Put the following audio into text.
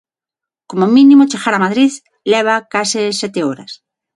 Como mínimo chegar a Madrid leva case sete horas.